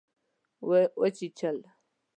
وچیچل